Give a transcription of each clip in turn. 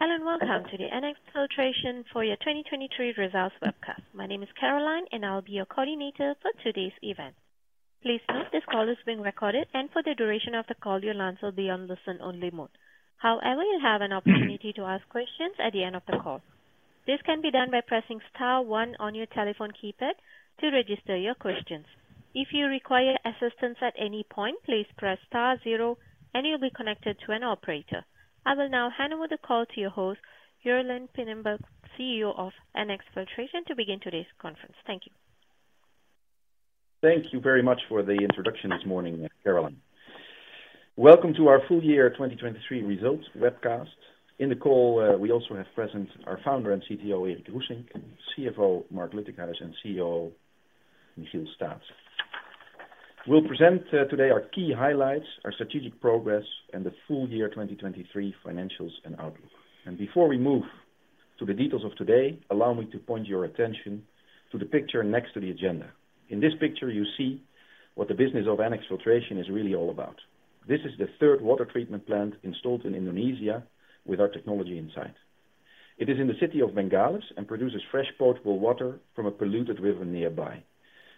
Hello, and welcome to the NX Filtration FY 2023 Results webcast. My name is Caroline, and I'll be your coordinator for today's event. Please note, this call is being recorded, and for the duration of the call, your lines will be on listen-only mode. However, you'll have an opportunity to ask questions at the end of the call. This can be done by pressing star one on your telephone keypad to register your questions. If you require assistance at any point, please press star zero and you'll be connected to an operator. I will now hand over the call to your host, Jeroen Pynenburg, CEO of NX Filtration, to begin today's conference. Thank you. Thank you very much for the introduction this morning, Caroline. Welcome to our full year 2023 results webcast. In the call, we also have present our founder and CTO, Erik Roesink, CFO, Marc Luttikhuis, and COO, Michiel Staatsen. We'll present today our key highlights, our strategic progress, and the full year 2023 financials and outlook. Before we move to the details of today, allow me to point your attention to the picture next to the agenda. In this picture, you see what the business of NX Filtration is really all about. This is the third water treatment plant installed in Indonesia with our technology inside. It is in the city of Bengkalis and produces fresh, potable water from a polluted river nearby.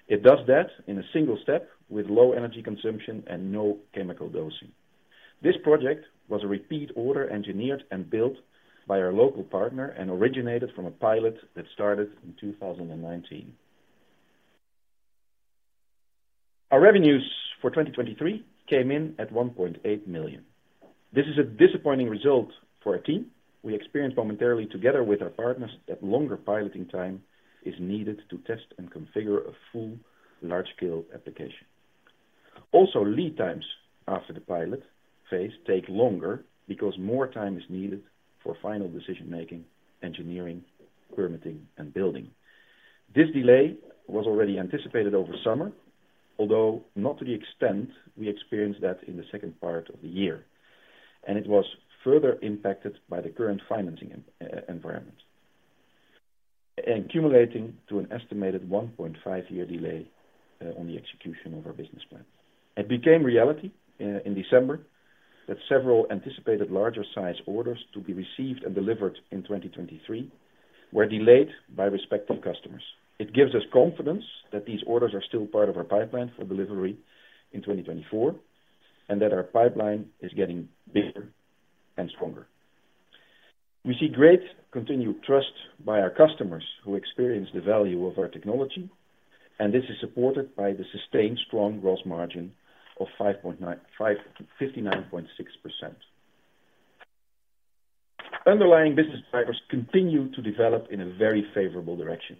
It does that in a single step with low energy consumption and no chemical dosing. This project was a repeat order, engineered and built by our local partner, and originated from a pilot that started in 2019. Our revenues for 2023 came in at 1.8 million. This is a disappointing result for our team. We experienced momentarily, together with our partners, that longer piloting time is needed to test and configure a full large-scale application. Also, lead times after the pilot phase take longer because more time is needed for final decision-making, engineering, permitting, and building. This delay was already anticipated over summer, although not to the extent we experienced that in the second part of the year, and it was further impacted by the current financing environment, and accumulating to an estimated 1.5-year delay on the execution of our business plan. It became reality in December that several anticipated larger size orders to be received and delivered in 2023 were delayed by respective customers. It gives us confidence that these orders are still part of our pipeline for delivery in 2024, and that our pipeline is getting bigger and stronger. We see great continued trust by our customers who experience the value of our technology, and this is supported by the sustained strong gross margin of 59.6%. Underlying business drivers continue to develop in a very favorable direction.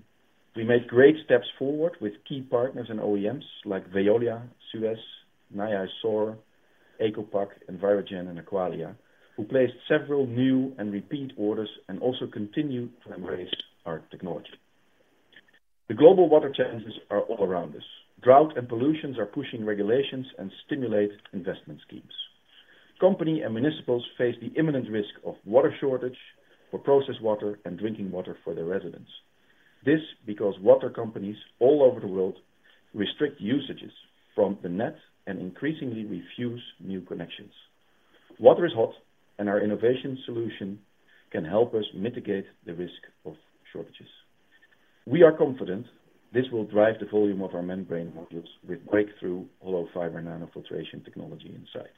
We made great steps forward with key partners and OEMs like Veolia, SUEZ, Nijhuis Saur, Ekopak, Envirogen, and Aqualia, who placed several new and repeat orders and also continue to embrace our technology. The global water challenges are all around us. Drought and pollutions are pushing regulations and stimulate investment schemes. Companies and municipalities face the imminent risk of water shortage for processed water and drinking water for their residents. This, because water companies all over the world restrict usages from the net and increasingly refuse new connections. Water is hot, and our innovation solution can help us mitigate the risk of shortages. We are confident this will drive the volume of our membrane modules with breakthrough hollow fiber nanofiltration technology inside.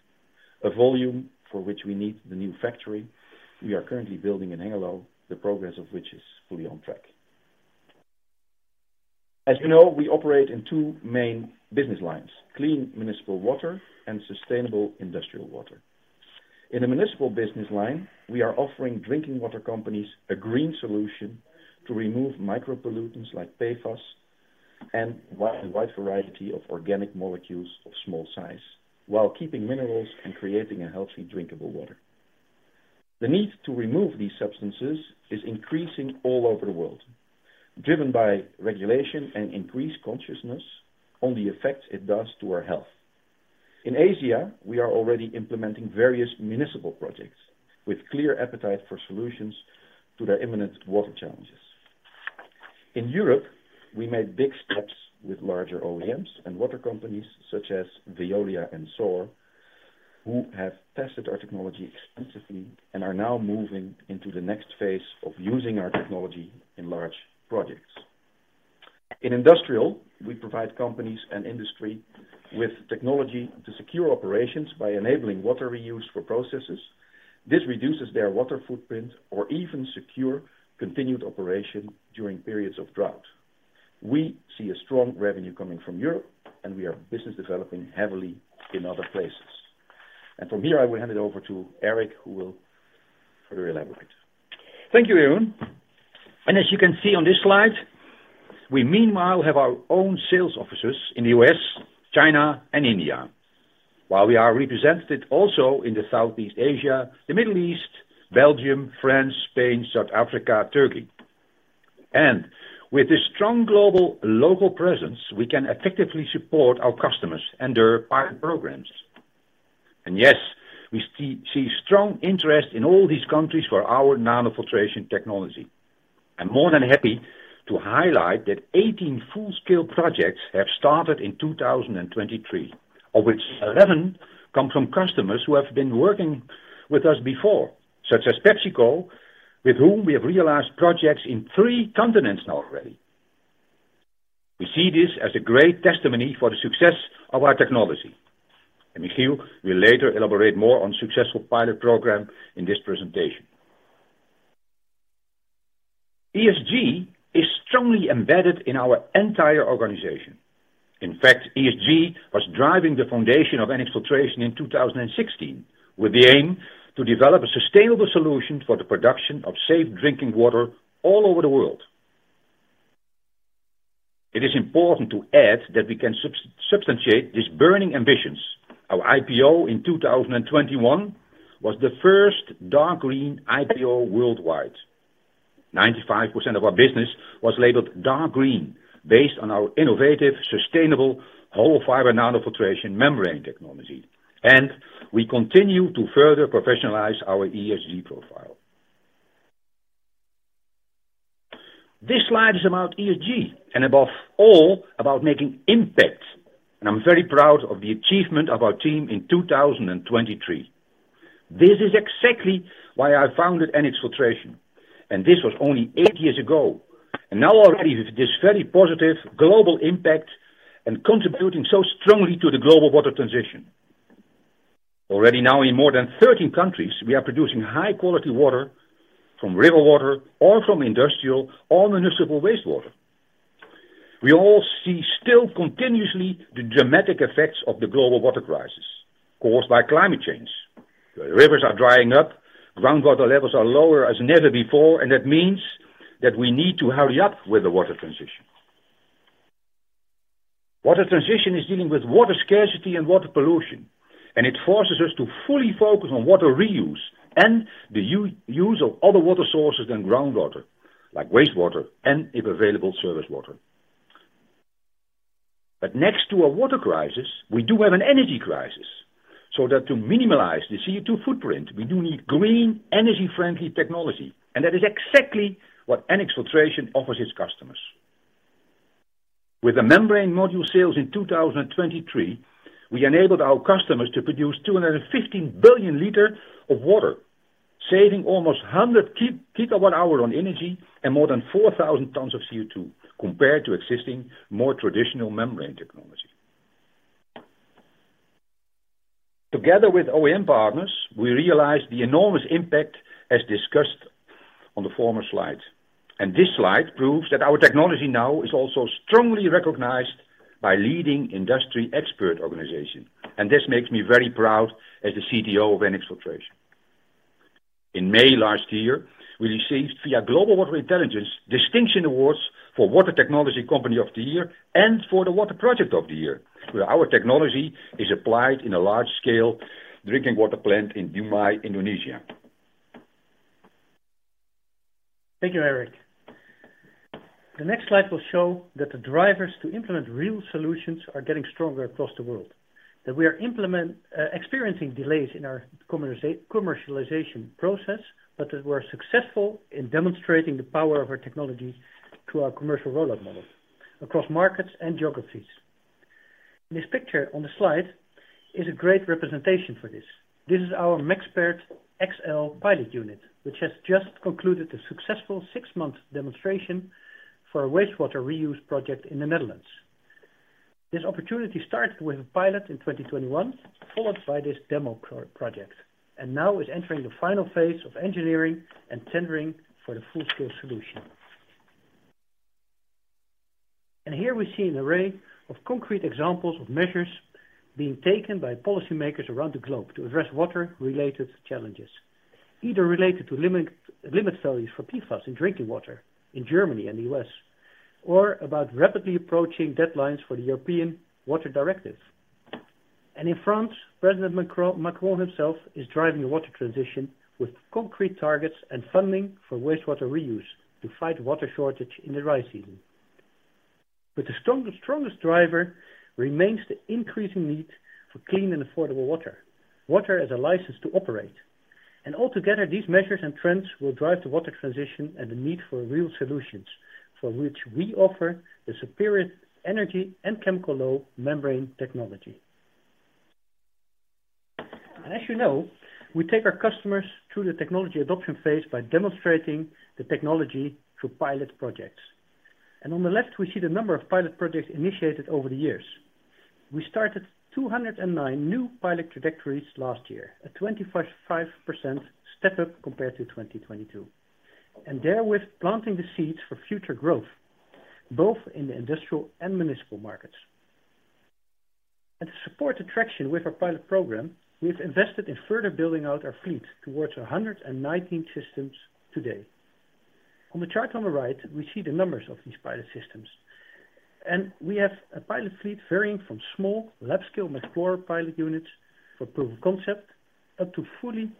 A volume for which we need the new factory we are currently building in Hengelo, the progress of which is fully on track. As you know, we operate in two main business lines, clean municipal water and sustainable industrial water. In the municipal business line, we are offering drinking water companies a green solution to remove micropollutants like PFAS and a wide, wide variety of organic molecules of small size, while keeping minerals and creating a healthy, drinkable water. The need to remove these substances is increasing all over the world, driven by regulation and increased consciousness on the effects it does to our health. In Asia, we are already implementing various municipal projects with clear appetite for solutions to their imminent water challenges. In Europe, we made big steps with larger OEMs and water companies such as Veolia and Saur, who have tested our technology extensively and are now moving into the next phase of using our technology in large projects. In industrial, we provide companies and industry with technology to secure operations by enabling water reuse for processes. This reduces their water footprint or even secure continued operation during periods of drought. We see a strong revenue coming from Europe, and we are business developing heavily in other places. From here, I will hand it over to Erik, who will further elaborate. Thank you, Jeroen. As you can see on this slide, we meanwhile have our own sales offices in the U.S., China, and India. While we are represented also in the Southeast Asia, the Middle East, Belgium, France, Spain, South Africa, Turkey. With this strong global, local presence, we can effectively support our customers and their pilot programs. Yes, we see strong interest in all these countries for our nanofiltration technology. I'm more than happy to highlight that 18 full-scale projects have started in 2023, of which 11 come from customers who have been working with us before, such as PepsiCo, with whom we have realized projects in three continents now already. We see this as a great testimony for the success of our technology, and Michiel will later elaborate more on successful pilot program in this presentation. ESG is strongly embedded in our entire organization. In fact, ESG was driving the foundation of NX Filtration in 2016, with the aim to develop a sustainable solution for the production of safe drinking water all over the world. It is important to add that we can substantiate these burning ambitions. Our IPO in 2021 was the first dark green IPO worldwide. 95% of our business was labeled dark green, based on our innovative, sustainable, hollow fiber nanofiltration membrane technology, and we continue to further professionalize our ESG profile. This slide is about ESG and, above all, about making impact, and I'm very proud of the achievement of our team in 2023. This is exactly why I founded NX Filtration, and this was only eight years ago. Now, already, with this very positive global impact and contributing so strongly to the global water transition. Already now, in more than 13 countries, we are producing high-quality water from river water or from industrial or municipal wastewater. We all see still continuously the dramatic effects of the global water crisis caused by climate change. The rivers are drying up, groundwater levels are lower as never before, and that means that we need to hurry up with the water transition. Water transition is dealing with water scarcity and water pollution, and it forces us to fully focus on water reuse and the use of other water sources than groundwater, like wastewater and, if available, surface water. But next to a water crisis, we do have an energy crisis, so that to minimize the CO2 footprint, we do need green, energy-friendly technology, and that is exactly what NX Filtration offers its customers. With the membrane module sales in 2023, we enabled our customers to produce 215 billion liters of water, saving almost 100 GWh on energy and more than 4,000 tons of CO2 compared to existing, more traditional membrane technology. Together with OEM partners, we realized the enormous impact, as discussed on the former slide. And this slide proves that our technology now is also strongly recognized by leading industry expert organization, and this makes me very proud as the CTO of NX Filtration. In May last year, we received, via Global Water Intelligence, distinction awards for Water Technology Company of the Year and for the Water Project of the Year, where our technology is applied in a large-scale drinking water plant in Dumai, Indonesia. Thank you, Erik. The next slide will show that the drivers to implement real solutions are getting stronger across the world, that we are experiencing delays in our commercialization process, but that we're successful in demonstrating the power of our technology through our commercial rollout model across markets and geographies. This picture on the slide is a great representation for this. This is our Mexpert XL pilot unit, which has just concluded a successful six-month demonstration for a wastewater reuse project in the Netherlands. This opportunity started with a pilot in 2021, followed by this demo project, and now is entering the final phase of engineering and tendering for the full-scale solution. Here we see an array of concrete examples of measures being taken by policymakers around the globe to address water-related challenges, either related to limit values for PFAS in drinking water in Germany and the U.S., or about rapidly approaching deadlines for the European Water Directive. In France, President Macron himself is driving the water transition with concrete targets and funding for wastewater reuse to fight water shortage in the dry season. But the strongest driver remains the increasing need for clean and affordable water, water as a license to operate. Altogether, these measures and trends will drive the water transition and the need for real solutions, for which we offer the superior energy and chemical low membrane technology. And as you know, we take our customers through the technology adoption phase by demonstrating the technology through pilot projects. On the left, we see the number of pilot projects initiated over the years. We started 209 new pilot trajectories last year, a 25.5% step-up compared to 2022, and therewith planting the seeds for future growth, both in the industrial and municipal markets. To support the traction with our pilot program, we've invested in further building out our fleet towards 119 systems today. On the chart on the right, we see the numbers of these pilot systems, and we have a pilot fleet varying from small lab-scale Mexplorer pilot units for proof of concept, up to fully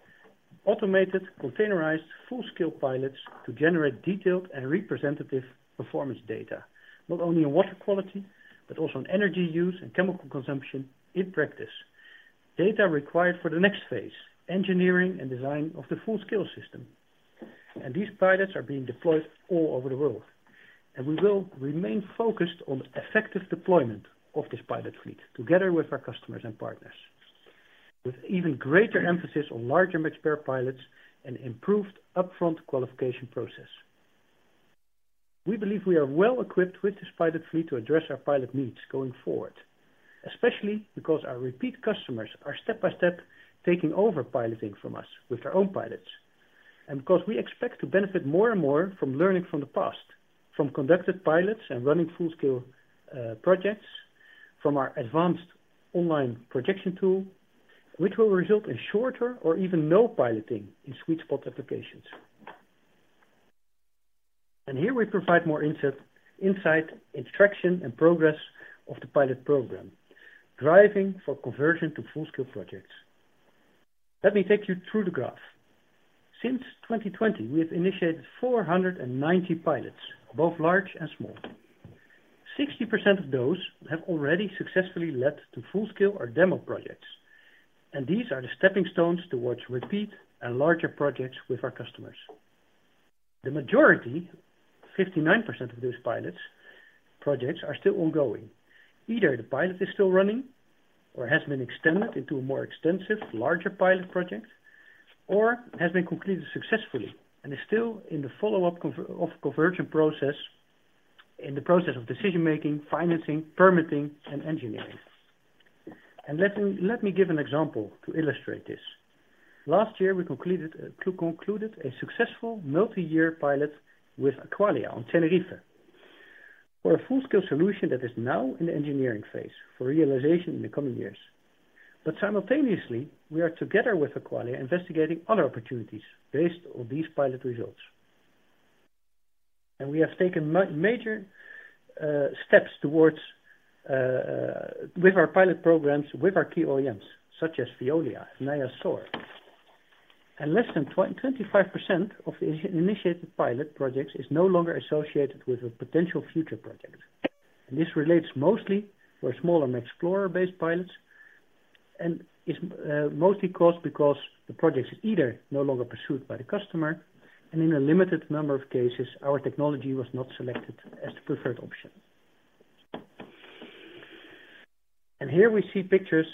automated, containerized, full-scale pilots to generate detailed and representative performance data, not only on water quality, but also on energy use and chemical consumption in practice. Data required for the next phase, engineering and design of the full-scale system. These pilots are being deployed all over the world. We will remain focused on effective deployment of this pilot fleet, together with our customers and partners, with even greater emphasis on larger Mexpert pilots and improved upfront qualification process. We believe we are well-equipped with this pilot fleet to address our pilot needs going forward, especially because our repeat customers are step-by-step taking over piloting from us with their own pilots. And because we expect to benefit more and more from learning from the past, from conducted pilots and running full-scale projects, from our advanced online projection tool, which will result in shorter or even no piloting in sweet spot applications. Here we provide more insight, insight in traction and progress of the pilot program, driving for conversion to full-scale projects. Let me take you through the graph. Since 2020, we have initiated 490 pilots, both large and small. 60% of those have already successfully led to full-scale or demo projects, and these are the stepping stones towards repeat and larger projects with our customers. The majority, 59% of those pilots projects, are still ongoing. Either the pilot is still running or has been extended into a more extensive, larger pilot project, or has been completed successfully and is still in the follow-up conversion process, in the process of decision-making, financing, permitting, and engineering. Let me give an example to illustrate this. Last year, we concluded a successful multi-year pilot with Aqualia on Tenerife, for a full-scale solution that is now in the engineering phase for realization in the coming years. Simultaneously, we are together with Aqualia, investigating other opportunities based on these pilot results. And we have taken major steps towards with our pilot programs, with our key OEMs, such as Veolia and Saur. And less than 25% of the initiated pilot projects is no longer associated with a potential future project. And this relates mostly for smaller Mexplorer-based pilots, and is mostly caused because the project is either no longer pursued by the customer, and in a limited number of cases, our technology was not selected as the preferred option. And here we see pictures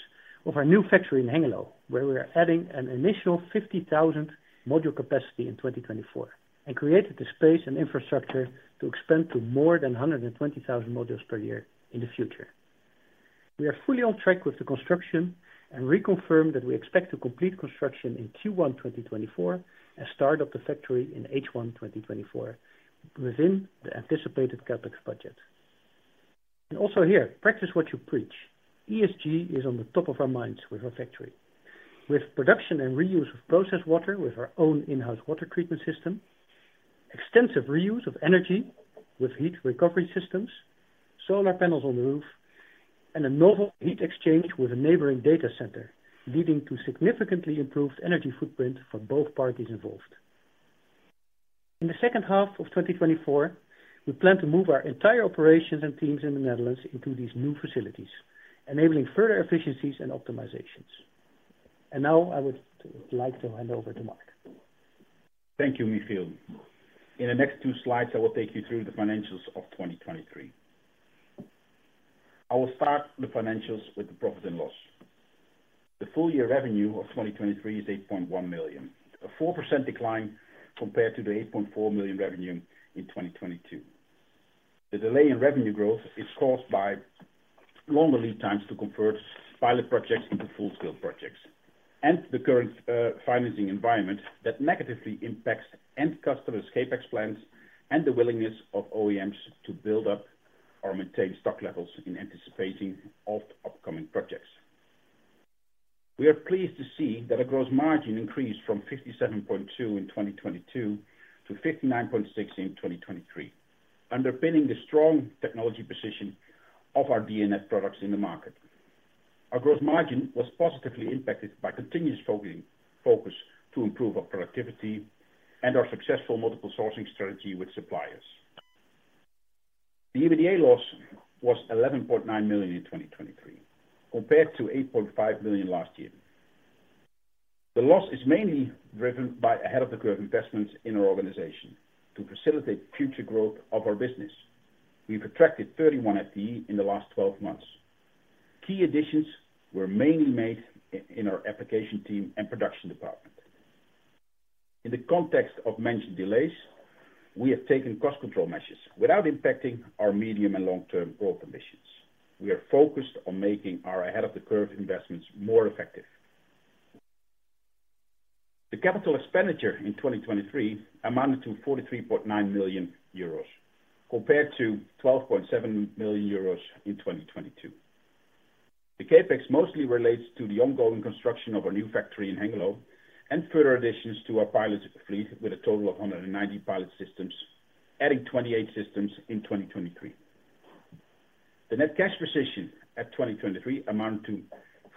of our new factory in Hengelo, where we are adding an initial 50,000 module capacity in 2024, and created the space and infrastructure to expand to more than 120,000 modules per year in the future. We are fully on track with the construction and reconfirm that we expect to complete construction in Q1 2024, and start up the factory in H1 2024, within the anticipated CapEx budget. And also here, practice what you preach. ESG is on the top of our minds with our factory. With production and reuse of process water with our own in-house water treatment system, extensive reuse of energy with heat recovery systems, solar panels on the roof, and a novel heat exchange with a neighboring data center, leading to significantly improved energy footprint for both parties involved. In the second half of 2024, we plan to move our entire operations and teams in the Netherlands into these new facilities, enabling further efficiencies and optimizations. And now I would like to hand over to Marc. Thank you, Michiel. In the next two slides, I will take you through the financials of 2023. I will start the financials with the profit and loss. The full year revenue of 2023 is 8.1 million, a 4% decline compared to the 8.4 million revenue in 2022. The delay in revenue growth is caused by longer lead times to convert pilot projects into full-scale projects, and the current financing environment that negatively impacts end customers' CapEx plans, and the willingness of OEMs to build up or maintain stock levels in anticipating of upcoming projects. We are pleased to see that our gross margin increased from 57.2% in 2022 to 59.6% in 2023, underpinning the strong technology position of our DNF products in the market. Our growth margin was positively impacted by continuous focusing, focus to improve our productivity and our successful multiple sourcing strategy with suppliers. The EBITDA loss was 11.9 million in 2023, compared to 8.5 million last year. The loss is mainly driven by ahead-of-the-curve investments in our organization to facilitate future growth of our business. We've attracted 31 FTE in the last 12 months. Key additions were mainly made in our application team and production department. In the context of mentioned delays, we have taken cost control measures without impacting our medium and long-term growth ambitions. We are focused on making our ahead-of-the-curve investments more effective. The capital expenditure in 2023 amounted to 43.9 million euros, compared to 12.7 million euros in 2022. The CapEx mostly relates to the ongoing construction of our new factory in Hengelo, and further additions to our pilots fleet with a total of 190 pilot systems, adding 28 systems in 2023. The net cash position at 2023 amount to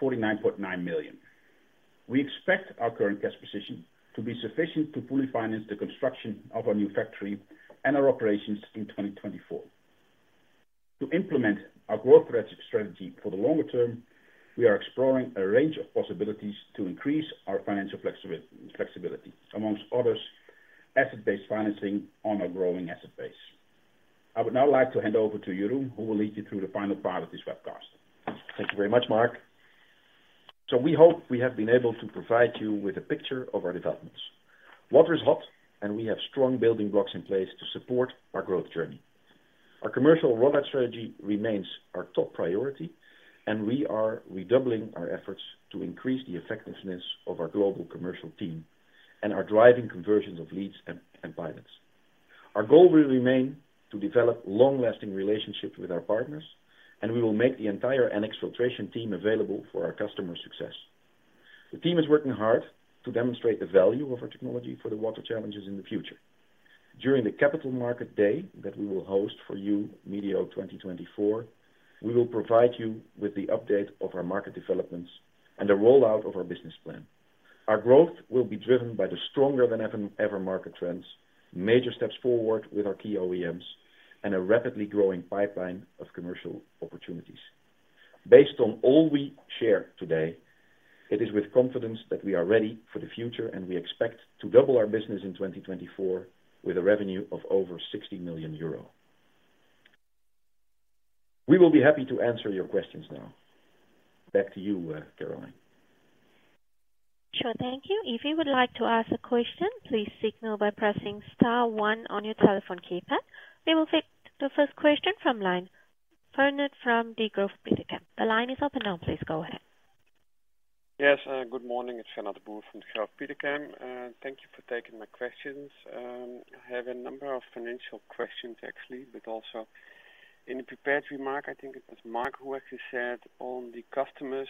49.9 million. We expect our current cash position to be sufficient to fully finance the construction of our new factory and our operations in 2024.... To implement our growth strategy for the longer term, we are exploring a range of possibilities to increase our financial flexibility, among others, asset-based financing on our growing asset base. I would now like to hand over to Jeroen, who will lead you through the final part of this webcast. Thank you very much, Mark. So we hope we have been able to provide you with a picture of our developments. Water is hot, and we have strong building blocks in place to support our growth journey. Our commercial rollout strategy remains our top priority, and we are redoubling our efforts to increase the effectiveness of our global commercial team and are driving conversions of leads and pilots. Our goal will remain to develop long-lasting relationships with our partners, and we will make the entire NX Filtration team available for our customers' success. The team is working hard to demonstrate the value of our technology for the water challenges in the future. During the Capital Market Day that we will host for you, mid-2024, we will provide you with the update of our market developments and the rollout of our business plan. Our growth will be driven by the stronger than ever, ever market trends, major steps forward with our key OEMs, and a rapidly growing pipeline of commercial opportunities. Based on all we share today, it is with confidence that we are ready for the future, and we expect to double our business in 2024 with a revenue of over 60 million euro. We will be happy to answer your questions now. Back to you, Caroline. Sure. Thank you. If you would like to ask a question, please signal by pressing star one on your telephone keypad. We will take the first question from line, Fernand de Boer from Degroof Petercam. The line is open now. Please go ahead. Yes, good morning. It's Fernand de Boer from Degroof Petercam. Thank you for taking my questions. I have a number of financial questions, actually, but also in the prepared remark, I think it was Mark who actually said on the customers.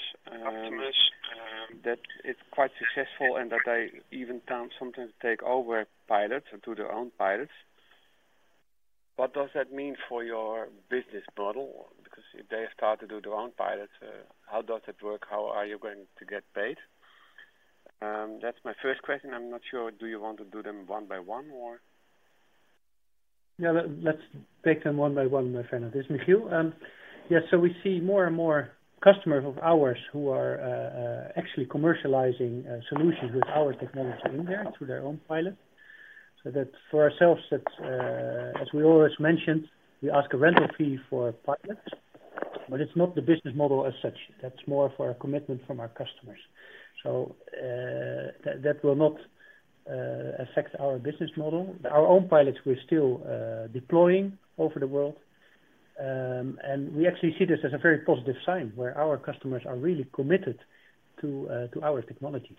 That it's quite successful and that they even can sometimes take over pilots and do their own pilots. What does that mean for your business model? Because if they start to do their own pilots, how does that work? How are you going to get paid? That's my first question. I'm not sure, do you want to do them one by one, or? Yeah, let's take them one by one, Fernand. It's Michiel. Yeah, so we see more and more customers of ours who are actually commercializing solutions with our technology in there through their own pilot. So that for ourselves, that's, as we always mentioned, we ask a rental fee for pilots, but it's not the business model as such. That's more for a commitment from our customers. So, that will not affect our business model. Our own pilots, we're still deploying over the world, and we actually see this as a very positive sign, where our customers are really committed to our technology.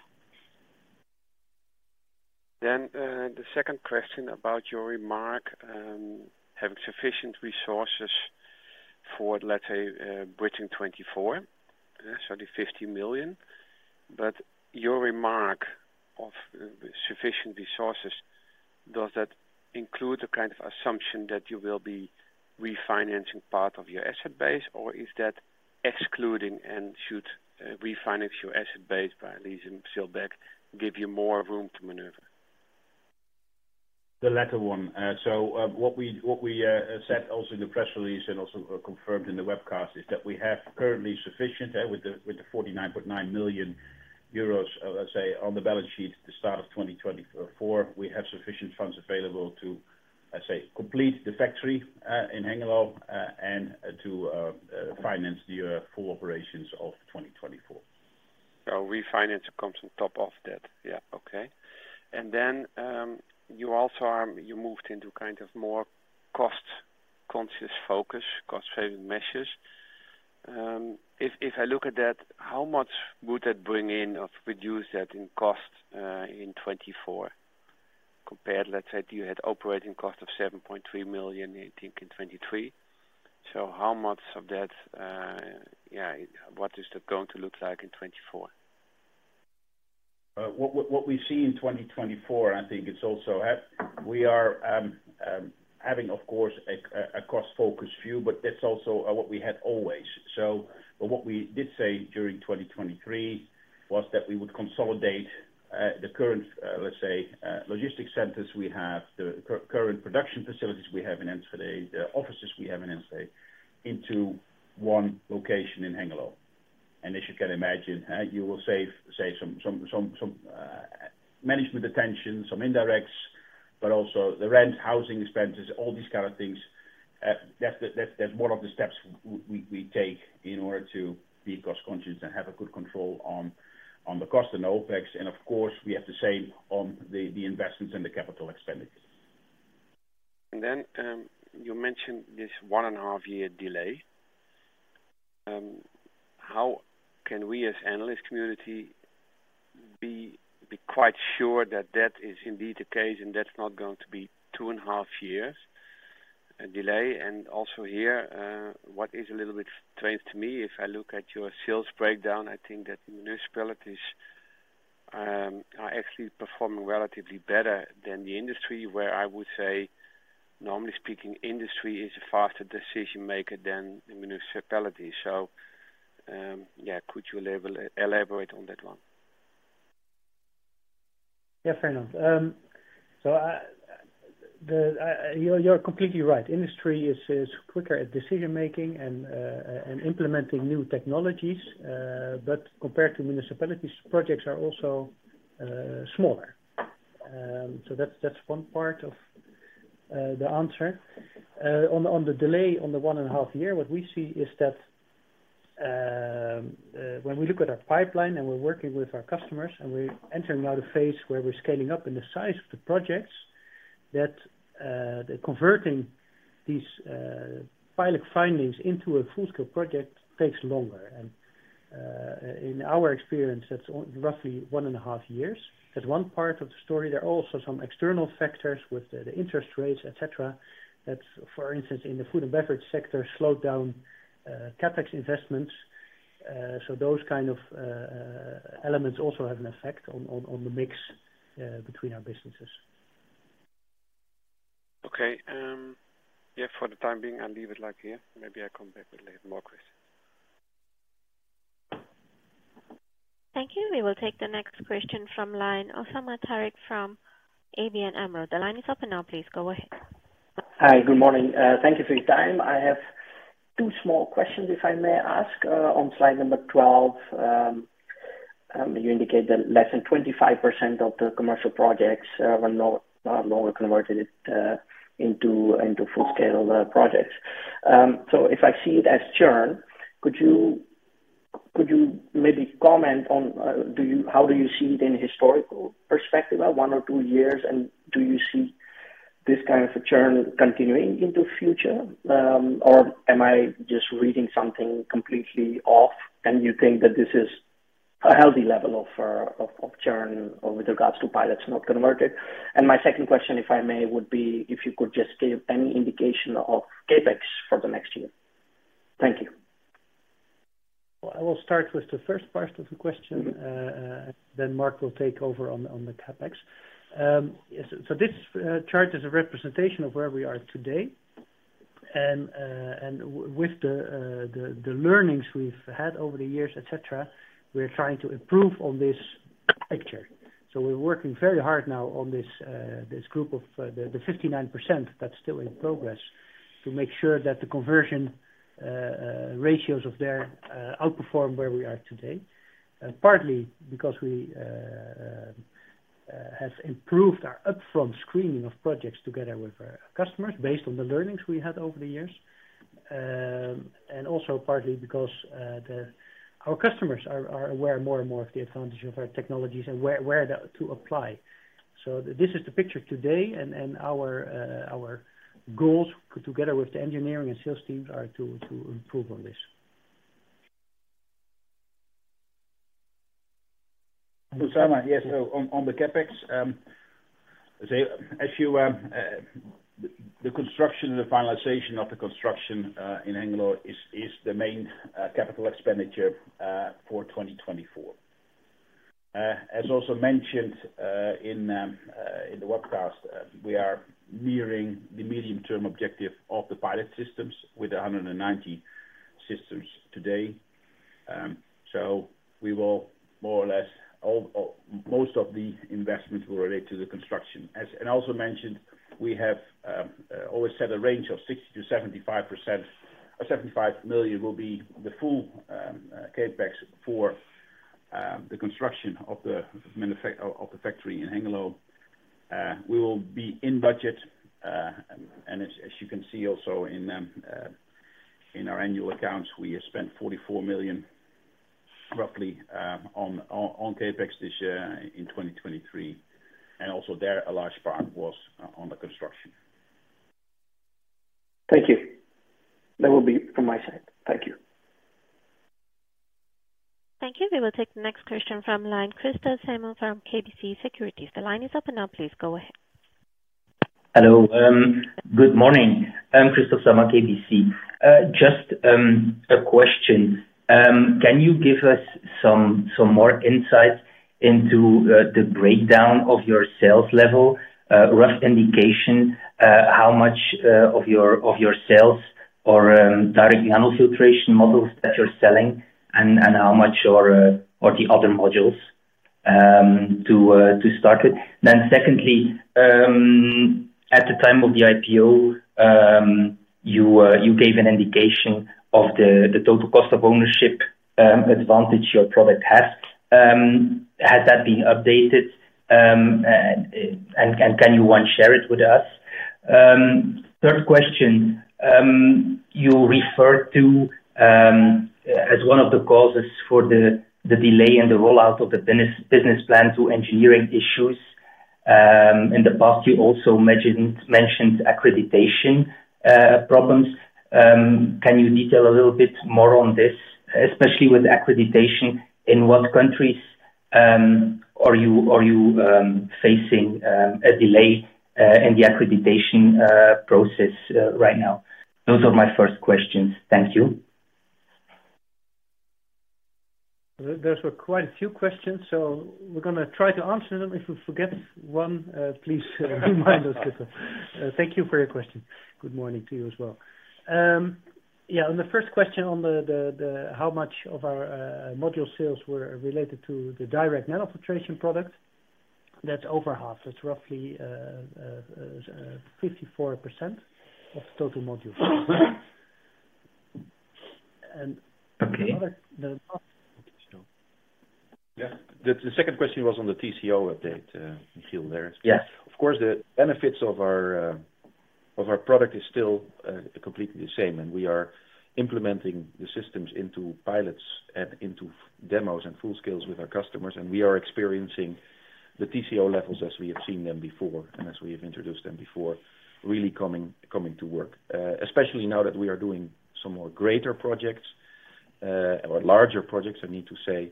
Then, the second question about your remark, having sufficient resources for, let's say, budgeting 2024, so the 50 million. But your remark of sufficient resources, does that include the kind of assumption that you will be refinancing part of your asset base? Or is that excluding and should refinance your asset base by sale-leaseback, give you more room to maneuver? The latter one. So, what we said also in the press release and also confirmed in the webcast is that we have currently sufficient with the 49.9 million euros, let's say, on the balance sheet at the start of 2024. We have sufficient funds available to, let's say, complete the factory in Hengelo and to finance the full operations of 2024. So refinance comes on top of that? Yeah, okay. And then, you also are-- you moved into kind of more cost-conscious focus, cost-saving measures. If, if I look at that, how much would that bring in of reduce that in cost, in 2024, compared, let's say, you had operating cost of 7.3 million, I think, in 2023. So how much of that, yeah, what is that going to look like in 2024? What we see in 2024, I think it's also at. We are having, of course, a cost-focused view, but that's also what we had always. So, but what we did say during 2023 was that we would consolidate the current, let's say, logistics centers we have, the current production facilities we have in Enschede, the offices we have in Enschede, into one location in Hengelo. And as you can imagine, you will save some management attention, some indirects, but also the rent, housing expenses, all these kind of things. That's one of the steps we take in order to be cost-conscious and have a good control on the cost and OpEx. Of course, we have the same on the investments and the capital expenditures. Then, you mentioned this one and a half-year delay. How can we, as analyst community, be quite sure that that is indeed the case, and that's not going to be two and a half years delay? And also here, what is a little bit strange to me, if I look at your sales breakdown, I think that municipalities are actually performing relatively better than the industry, where I would say, normally speaking, industry is a faster decision maker than the municipality. So, yeah, could you elaborate on that one? Yeah, Fernand. So you're completely right. Industry is quicker at decision-making and implementing new technologies. But compared to municipalities, projects are also smaller. So that's one part of the answer. On the delay on the one and a half year, what we see is that when we look at our pipeline and we're working with our customers, and we're entering now the phase where we're scaling up in the size of the projects, that the converting these pilot findings into a full-scale project takes longer. And in our experience, that's on roughly one and a half years. That's one part of the story. There are also some external factors with the interest rates, et cetera, that, for instance, in the food and beverage sector, slowed down CapEx investments. So those kind of elements also have an effect on the mix between our businesses. Okay. Yeah, for the time being, I'll leave it like here. Maybe I come back with later more questions. Thank you. We will take the next question from line, Usama Tariq from ABN AMRO. The line is open now. Please go ahead. Hi, good morning. Thank you for your time. I have two small questions, if I may ask. On slide number 12, you indicate that less than 25% of the commercial projects were not longer converted into full-scale projects. So if I see it as churn, could you maybe comment on how do you see it in historical perspective of one or two years? And do you see this kind of a churn continuing into future? Or am I just reading something completely off, and you think that this is a healthy level of churn with regards to pilots not converted? And my second question, if I may, would be if you could just give any indication of CapEx for the next year. Thank you. Well, I will start with the first part of the question, then Marc will take over on the CapEx. So this chart is a representation of where we are today, and with the learnings we've had over the years, et cetera, we're trying to improve on this picture. So we're working very hard now on this group of the 59% that's still in progress, to make sure that the conversion ratios of there outperform where we are today. Partly because we have improved our upfront screening of projects together with our customers, based on the learnings we had over the years. And also partly because our customers are aware more and more of the advantages of our technologies and where to apply. So this is the picture today, and our goals, together with the engineering and sales teams, are to improve on this. Osama, yes, so on the CapEx, as you, the construction and the finalization of the construction in Hengelo is the main capital expenditure for 2024. As also mentioned in the webcast, we are nearing the medium-term objective of the pilot systems with 190 systems today. So we will more or less, all, most of the investments will relate to the construction. And also mentioned, we have always set a range of 60%-75%, or 75 million will be the full CapEx for the construction of the factory in Hengelo. We will be in budget, and as you can see also in our annual accounts, we spent 44 million, roughly, on CapEx this year in 2023, and also there, a large part was on the construction. Thank you. That will be from my side. Thank you. Thank you. We will take the next question from line, Kristof Samoy from KBC Securities. The line is open now, please go ahead. Hello. Good morning. I'm Christoph Samoy, KBC. Just a question. Can you give us some more insight into the breakdown of your sales level? Rough indication, how much of your sales are direct nanofiltration modules that you're selling and how much are OEM or the other modules, to start with? Then secondly, at the time of the IPO, you gave an indication of the total cost of ownership advantage your product has. Has that been updated? And can you share it with us? Third question, you referred to as one of the causes for the delay in the rollout of the business plan due to engineering issues. In the past, you also mentioned accreditation problems. Can you detail a little bit more on this, especially with accreditation, in what countries are you facing a delay in the accreditation process right now? Those are my first questions. Thank you. Those were quite a few questions, so we're gonna try to answer them. If we forget one, please remind us, Christoph. Thank you for your question. Good morning to you as well. Yeah, on the first question on the how much of our module sales were related to the direct nanofiltration product, that's over half. That's roughly 54% of total module. And- Okay. Yeah. The second question was on the TCO update, Michiel, there. Yeah. Of course, the benefits of our product is still completely the same, and we are implementing the systems into pilots and into demos and full scales with our customers, and we are experiencing the TCO levels as we have seen them before and as we have introduced them before, really coming, coming to work. Especially now that we are doing some more greater projects, or larger projects, I need to say,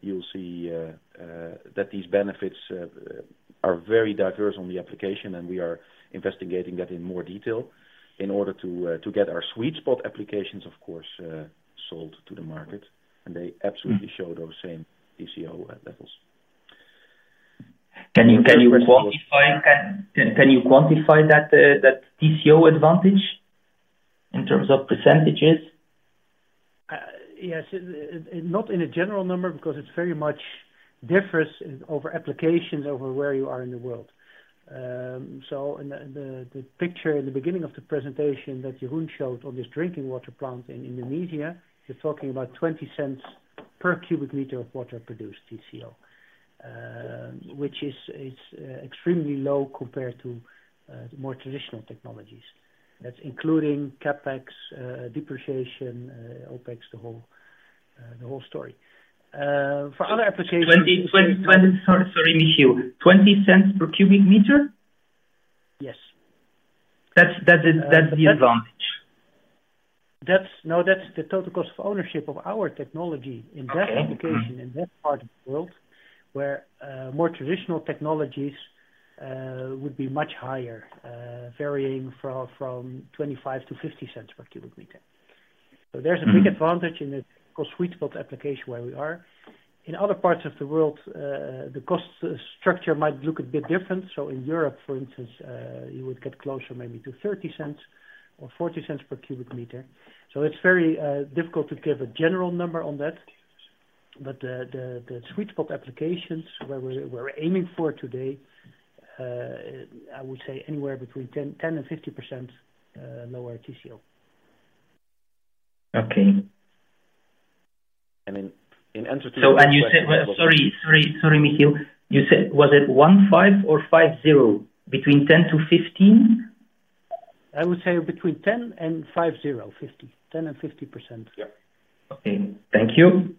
you'll see that these benefits are very diverse on the application, and we are investigating that in more detail in order to to get our sweet spot applications, of course, sold to the market, and they absolutely show those same TCO levels. Can you quantify that TCO advantage in terms of percentages? Yes. Not in a general number, because it's very much differs over applications over where you are in the world. So in the picture in the beginning of the presentation that Jeroen showed on this drinking water plant in Indonesia, you're talking about $0.20 per cubic meter of water produced TCO, which is extremely low compared to more traditional technologies. That's including CapEx, depreciation, OpEx, the whole story. For other applications- Sorry, Michiel, 0.20 per cubic meter? Yes. That's the advantage. No, that's the total cost of ownership of our technology- Okay. In that application, in that part of the world, where more traditional technologies would be much higher, varying from 0.25-0.50 per cubic meter. So there's a big advantage in the cost sweet spot application where we are. In other parts of the world, the cost structure might look a bit different. So in Europe, for instance, you would get closer maybe to 0.30 or 0.40 per cubic meter. So it's very difficult to give a general number on that, but the sweet spot applications where we're aiming for today, I would say anywhere between 10%-50% lower TCO. Okay. In answer to your- So, you said, sorry, sorry, sorry, Michiel, you said, was it 15 or 50? Between 10-15? I would say between 10 and 50, 50. 10% and 50%. Okay. Thank you.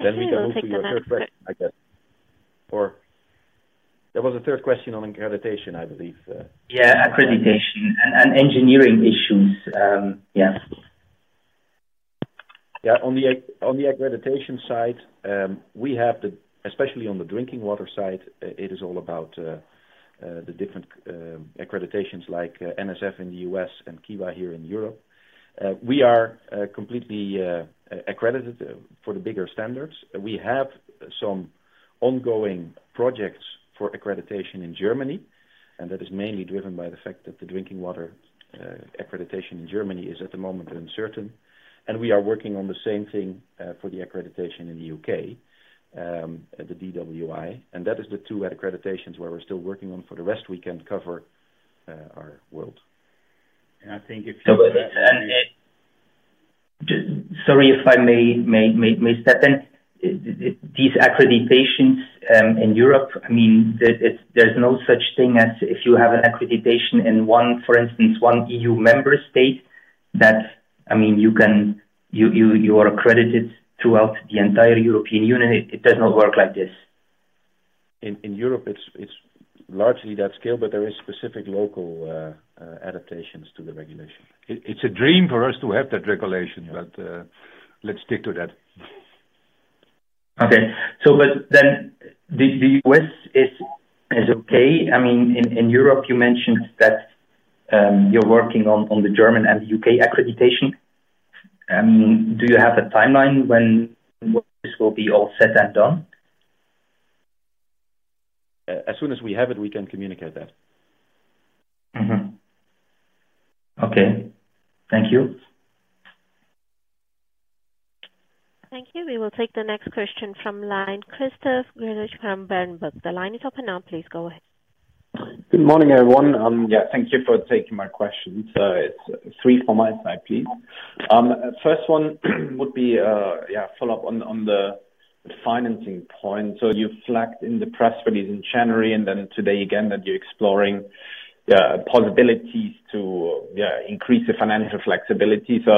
Then we can move to your third question, I guess, or there was a third question on accreditation, I believe. Yeah, accreditation and, and engineering issues. Yeah. Yeah, on the accreditation side, we have the—especially on the drinking water side, it is all about the different accreditations like NSF in the U.S. and KIWA here in Europe. We are completely accredited for the bigger standards. We have some ongoing projects for accreditation in Germany, and that is mainly driven by the fact that the drinking water accreditation in Germany is at the moment uncertain, and we are working on the same thing for the accreditation in the U.K. at the DWI. And that is the two accreditations where we're still working on. For the rest, we can cover our world. Sorry, if I may step in. These accreditations in Europe, I mean, there's no such thing as if you have an accreditation in one, for instance, one EU member state, that, I mean, you are accredited throughout the entire European Union. It does not work like this? In Europe, it's largely that scale, but there is specific local adaptations to the regulation. It's a dream for us to have that regulation, but let's stick to that. Okay. So but then the U.S. is okay. I mean, in Europe, you mentioned that you're working on the German and the U.K. accreditation. Do you have a timeline when this will be all said and done? As soon as we have it, we can communicate that. Mm-hmm. Okay. Thank you. Thank you. We will take the next question from line, Christoph Greulich from Berenberg. The line is open now, please go ahead. Good morning, everyone. Yeah, thank you for taking my questions. It's three for my side, please. First one would be yeah, a follow-up on the financing point. So you flagged in the press release in January, and then today again, that you're exploring possibilities to yeah, increase the financial flexibility. So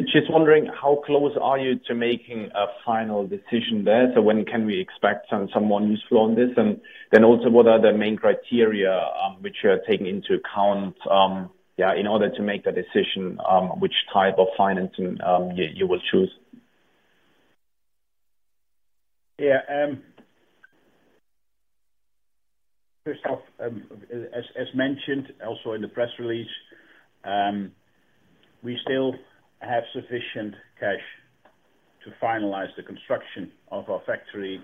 just wondering, how close are you to making a final decision there? So when can we expect some more news flow on this? And then also, what are the main criteria which you are taking into account yeah, in order to make that decision, which type of financing you will choose? Yeah, Christoph, as mentioned also in the press release. We still have sufficient cash to finalize the construction of our factory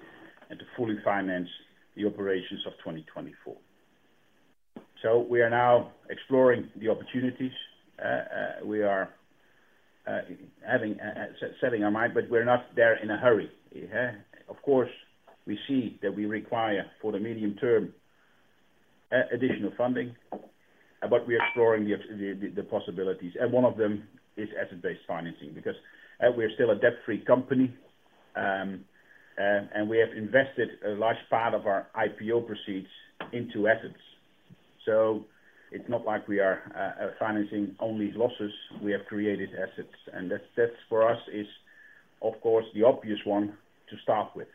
and to fully finance the operations of 2024. So we are now exploring the opportunities. We have set our mind, but we're not there in a hurry. Of course, we see that we require for the medium term additional funding, but we are exploring the possibilities, and one of them is asset-based financing. Because we are still a debt-free company, and we have invested a large part of our IPO proceeds into assets. So it's not like we are financing only losses. We have created assets, and that's for us, of course, the obvious one to start with.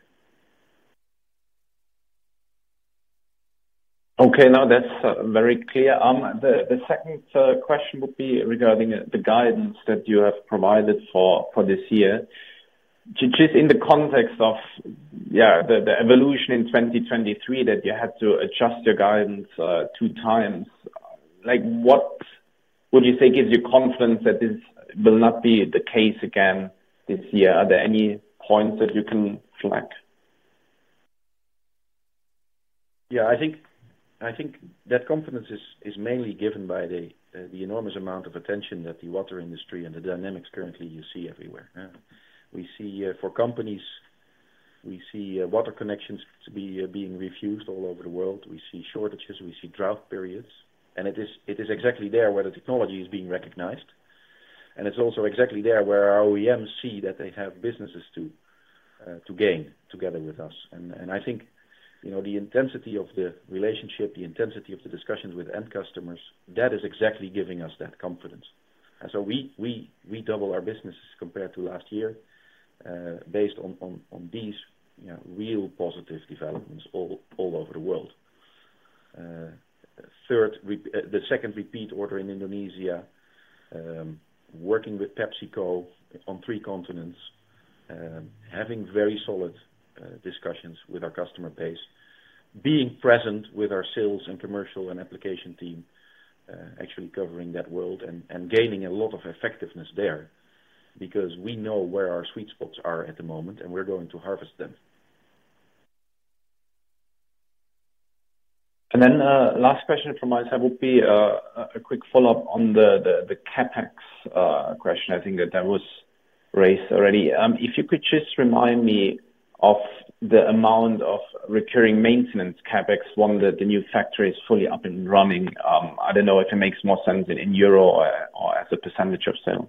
Okay, now that's very clear. The second question would be regarding the guidance that you have provided for this year. Just in the context of yeah, the evolution in 2023, that you had to adjust your guidance two times. Like, what would you say gives you confidence that this will not be the case again this year? Are there any points that you can flag? Yeah, I think, I think that confidence is, is mainly given by the, the enormous amount of attention that the water industry and the dynamics currently you see everywhere. We see, for companies, we see, water connections to be, being refused all over the world. We see shortages, we see drought periods, and it is, it is exactly there where the technology is being recognized. And it's also exactly there where our OEMs see that they have businesses to, to gain together with us. And, and I think, you know, the intensity of the relationship, the intensity of the discussions with end customers, that is exactly giving us that confidence. And so we, we, we double our business compared to last year, based on, on, on these, you know, real positive developments all, all over the world. Third, the second repeat order in Indonesia, working with PepsiCo on three continents, having very solid discussions with our customer base. Being present with our sales and commercial and application team, actually covering that world and, and gaining a lot of effectiveness there, because we know where our sweet spots are at the moment, and we're going to harvest them. Last question from my side would be a quick follow-up on the CapEx question. I think that that was raised already. If you could just remind me of the amount of recurring maintenance CapEx once the new factory is fully up and running. I don't know if it makes more sense in euro or as a percentage of sale.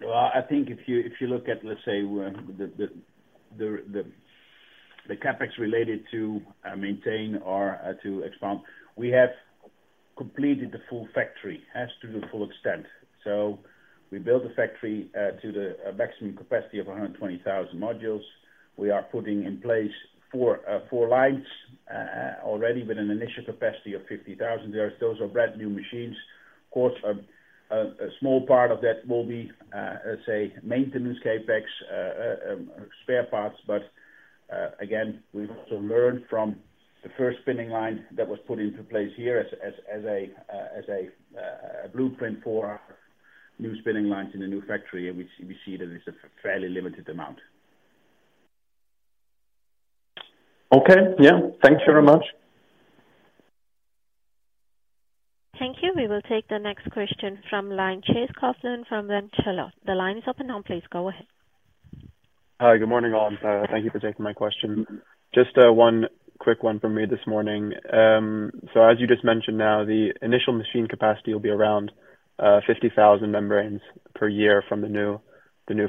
Well, I think if you look at, let's say, the CapEx related to maintenance or to expand, we have completed the full factory to the full extent. So we built the factory to the maximum capacity of 120,000 modules. We are putting in place four lines already with an initial capacity of 50,000. Those are brand-new machines. Of course, a small part of that will be, let's say, maintenance CapEx, spare parts. But again, we've also learned from the first spinning line that was put into place here as a blueprint for new spinning lines in the new factory, and we see that it's a fairly limited amount. Okay. Yeah. Thank you very much. Thank you. We will take the next question from line, Chase Koslin from Vintella. The line is open now, please go ahead. Hi, good morning, all. Thank you for taking my question. Just one quick one from me this morning. So as you just mentioned now, the initial machine capacity will be around 50,000 membranes per year from the new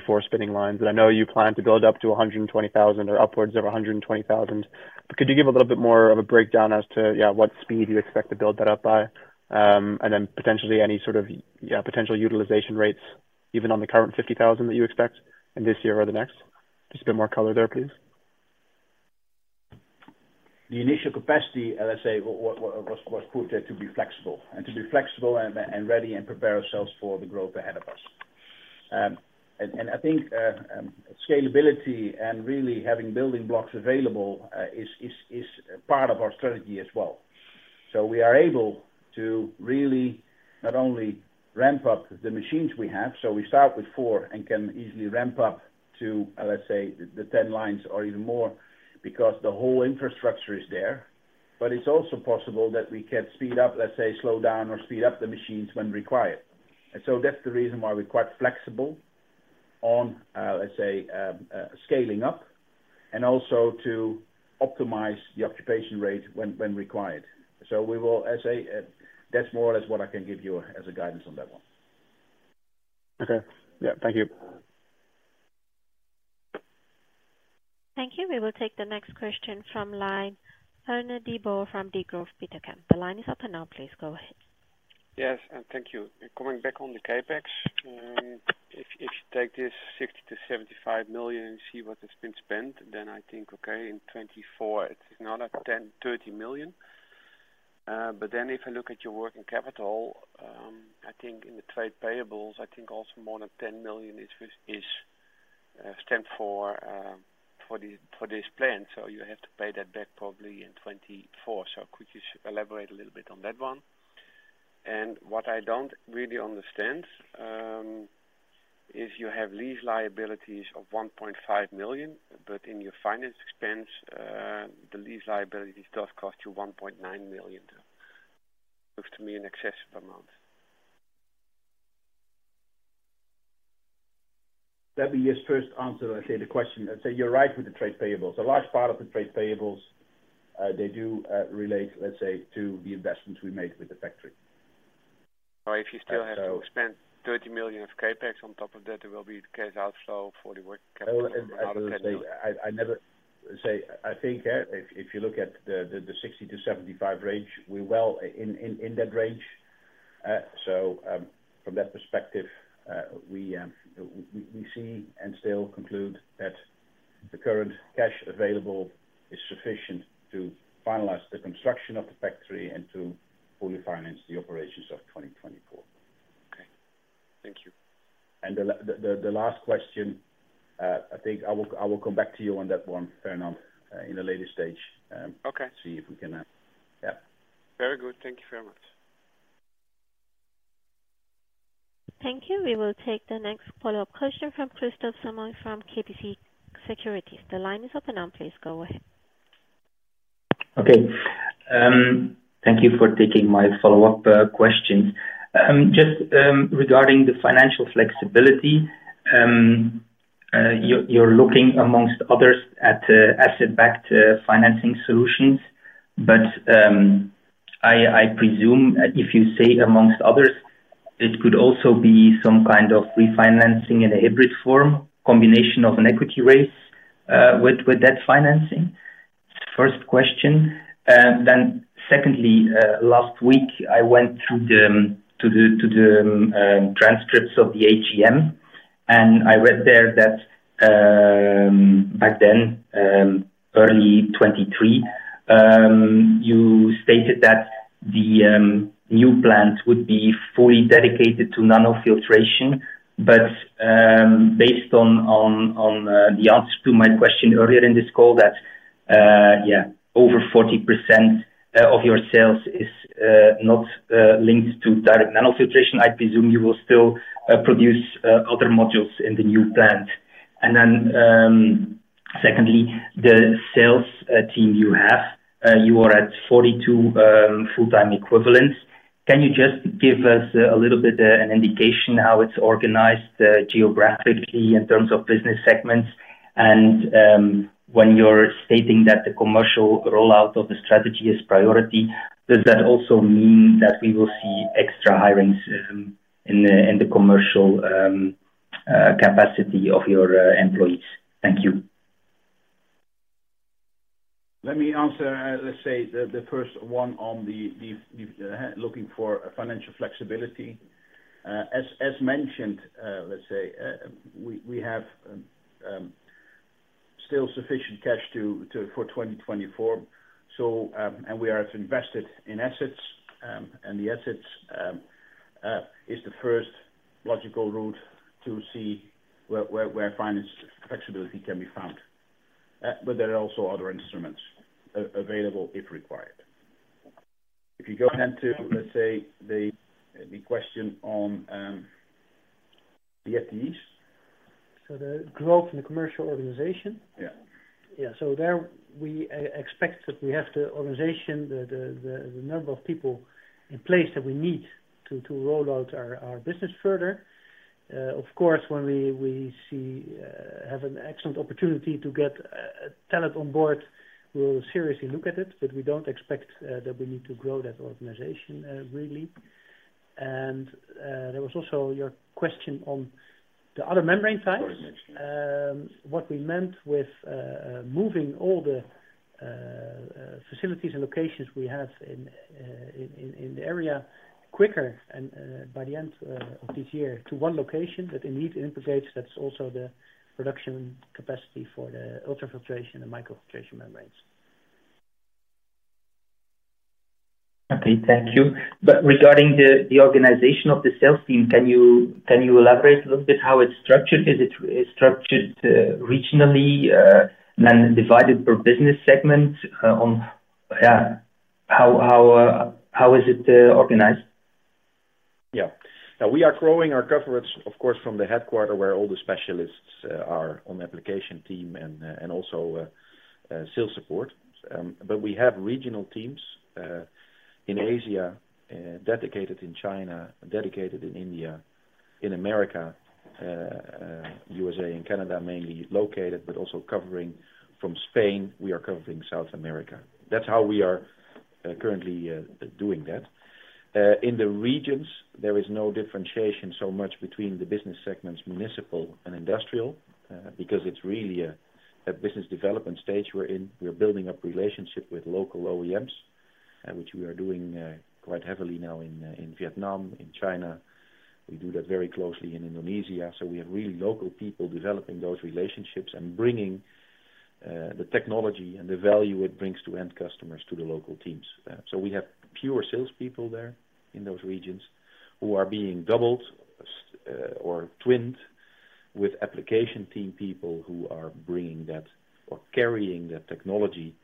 four spinning lines. And I know you plan to build up to 120,000 or upwards of 120,000. But could you give a little bit more of a breakdown as to, yeah, what speed you expect to build that up by? And then potentially any sort of, yeah, potential utilization rates, even on the current 50,000 that you expect in this year or the next? Just a bit more color there, please. The initial capacity, let's say, was put there to be flexible, and to be flexible and ready and prepare ourselves for the growth ahead of us. I think scalability and really having building blocks available is part of our strategy as well. So we are able to really not only ramp up the machines we have, so we start with four and can easily ramp up to, let's say, the 10 lines or even more, because the whole infrastructure is there. But it's also possible that we can speed up, let's say, slow down or speed up the machines when required. And so that's the reason why we're quite flexible on, let's say, scaling up, and also to optimize the occupation rate when required. So we will... I say, that's more or less what I can give you as a guidance on that one. Okay. Yeah. Thank you. Thank you. We will take the next question from line, Fernand de Boer from Degroof Petercam. The line is open now, please go ahead. Yes, and thank you. Coming back on the CapEx, if you take this 60 million- 75 million and see what has been spent, then I think, okay, in 2024 it is another 10-30 million. But then if I look at your working capital, I think in the trade payables, I think also more than 10 million is, is-stand for this plan, so you have to pay that back probably in 2024. So could you elaborate a little bit on that one? And what I don't really understand is you have lease liabilities of 1.5 million, but in your finance expense, the lease liabilities does cost you 1.9 million. Looks to me an excessive amount. Let me just first answer, let's say, the question. Let's say you're right with the trade payables. A large part of the trade payables, they do relate, let's say, to the investments we made with the factory. Oh, if you still have to spend 30 million of CapEx on top of that, there will be the cash outflow for the working capital. I think, if you look at the 60-75 range, we're well in that range. So, from that perspective, we see and still conclude that the current cash available is sufficient to finalize the construction of the factory and to fully finance the operations of 2024. Okay, thank you. And the last question, I think I will come back to you on that one, Fernand, in a later stage. Okay. See if we can. Yeah. Very good. Thank you very much. Thank you. We will take the next follow-up question from Kristof Samoy from KBC Securities. The line is open now, please go ahead. Okay. Thank you for taking my follow-up questions. Just regarding the financial flexibility, you're looking among others at asset-backed financing solutions, but I presume if you say among others, it could also be some kind of refinancing in a hybrid form, combination of an equity raise with that financing? First question. Then secondly, last week I went through the transcripts of the AGM, and I read there that back then early 2023 you stated that the new plant would be fully dedicated to nanofiltration. But based on the answer to my question earlier in this call that yeah, over 40% of your sales is not linked to direct nanofiltration, I presume you will still produce other modules in the new plant. And then secondly, the sales team you have, you are at 42 full-time equivalents. Can you just give us a little bit an indication how it's organized geographically in terms of business segments? And when you're stating that the commercial rollout of the strategy is priority, does that also mean that we will see extra hirings in the commercial capacity of your employees? Thank you. Let me answer, let's say, looking for financial flexibility. As mentioned, let's say, we have still sufficient cash for 2024. So, and we are invested in assets, and the assets is the first logical route to see where finance flexibility can be found. But there are also other instruments available if required. If you go ahead to, let's say, the question on the FTEs. So the growth in the commercial organization? Yeah. Yeah, so we expect that we have the organization, the number of people in place that we need to roll out our business further. Of course, when we see an excellent opportunity to get a talent on board, we'll seriously look at it, but we don't expect that we need to grow that organization really. And there was also your question on the other membrane types. You already mentioned. What we meant with moving all the facilities and locations we have in the area quicker and, by the end of this year, to one location, that indeed implicates that's also the production capacity for the ultrafiltration and microfiltration membranes. Okay, thank you. But regarding the organization of the sales team, can you elaborate a little bit how it's structured? Is it structured regionally, then divided per business segment? Yeah, how is it organized? Yeah. Now we are growing our coverage, of course, from the headquarters, where all the specialists are on the application team and also sales support. But we have regional teams in Asia, dedicated in China, dedicated in India, in America, USA and Canada, mainly located, but also covering from Spain, we are covering South America. That's how we are currently doing that. In the regions, there is no differentiation so much between the business segments, municipal and industrial, because it's really a business development stage we're in. We're building up relationship with local OEMs, which we are doing quite heavily now in Vietnam, in China. We do that very closely in Indonesia. So we have really local people developing those relationships and bringing the technology and the value it brings to end customers to the local teams. So we have pure salespeople there in those regions who are being doubled or twinned with application team people who are bringing that or carrying that technology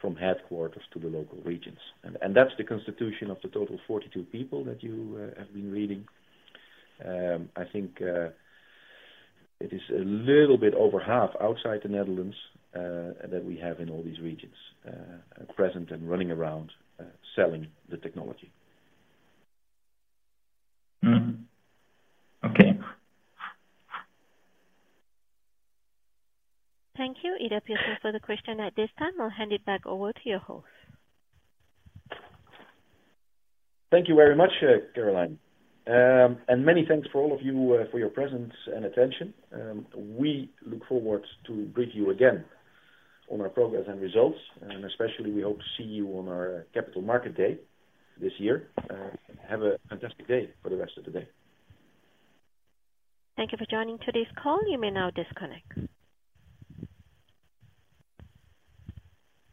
from headquarters to the local regions. And that's the constitution of the total 42 people that you have been reading. I think it is a little bit over half outside the Netherlands that we have in all these regions present and running around selling the technology. Hmm. Okay. Thank you. It appears no further question at this time. I'll hand it back over to your host. Thank you very much, Caroline. Many thanks for all of you for your presence and attention. We look forward to brief you again on our progress and results, and especially we hope to see you on our Capital Markets Day this year. Have a fantastic day for the rest of the day. Thank you for joining today's call. You may now disconnect.